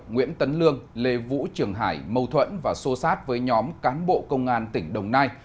nguyễn tấn lương lê vũ trường hải mâu thuẫn và xô sát với nhóm cán bộ công an tỉnh đồng nai